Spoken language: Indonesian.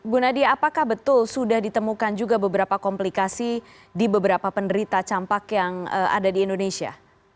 bu nadia apakah betul sudah ditemukan juga beberapa komplikasi di beberapa penderita campak yang ada di indonesia